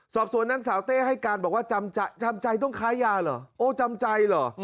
สอบสวนนางสาวเต้ให้การบอกว่าจำใจต้องค้ายาเหรอโอ้จำใจเหรอ